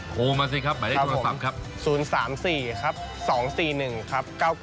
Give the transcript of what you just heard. โทรมาสิครับหมายได้โทรศัพท์ครับ